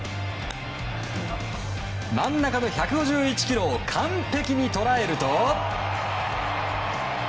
真ん中の１５１キロを完璧に捉えると。